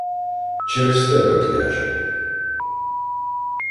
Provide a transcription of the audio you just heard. — Через тебе, княже.